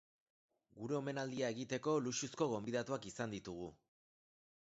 Gure omenaldia egiteko luxuzko gonbidatuak izan ditugu.